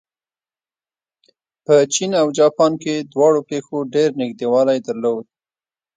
په چین او جاپان کې دواړو پېښو ډېر نږدېوالی درلود.